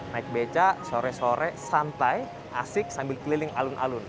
naik beca sore sore santai asik sambil keliling alun alun